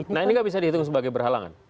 nah ini nggak bisa dihitung sebagai berhalangan